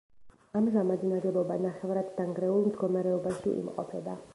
ამჟამად ნაგებობა ნახევრადდანგრეულ მდგომარეობაში იმყოფება.